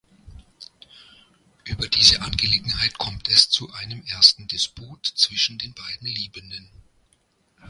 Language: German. Über diese Angelegenheit kommt es zu einem ersten Disput zwischen den beiden Liebenden.